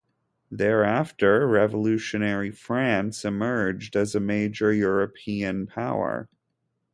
Thereafter, Revolutionary France emerged as a major European power.